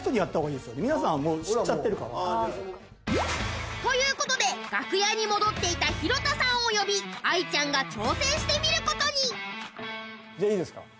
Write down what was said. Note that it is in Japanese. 皆さんはもう知っちゃってるからということで楽屋に戻っていた広田さんを呼び愛ちゃんが挑戦してみることにじゃあいいですか？